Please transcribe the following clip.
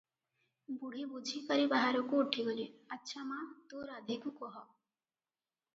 ବୁଢ଼ୀ ବୁଝିପାରି ବାହାରକୁ ଉଠିଗଲେ - "ଆଚ୍ଛା ମା, ତୁ ରାଧୀକୁ କହ ।"